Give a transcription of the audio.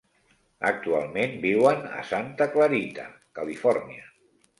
Actualment viuen a Santa Clarita, Califòrnia.